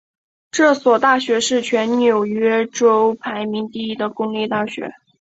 这所大学是全纽约州排名第一的公立大学。